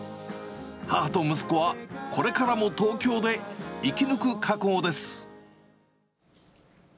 母と息子はこれからも東京で生き抜く覚悟です。